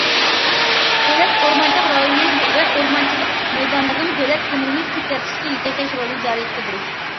دۆلەت ئورمانچىلىق رايونى ۋە ئورمانچىلىق مەيدانلىرىنىڭ دۆلەت زېمىنىنى كۆكەرتىشتىكى يېتەكلەش رولىنى جارى قىلدۇرۇش.